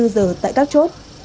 giờ tại các chốt